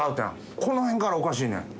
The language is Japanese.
このへんからおかしいねん。